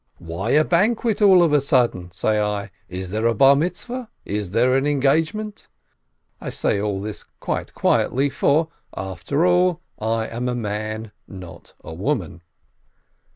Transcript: — "Why a banquet, all of a sudden?" say I. "Is there a Bar Mitzveh ? Is there an engagement ?" I say all this quite quietly, for, after all, I am a man, not a woman.